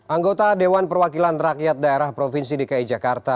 anggota dewan perwakilan rakyat daerah provinsi dki jakarta